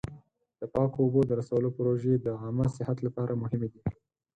د پاکو اوبو د رسولو پروژې د عامه صحت لپاره مهمې دي.